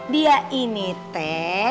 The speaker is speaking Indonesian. dia ini teh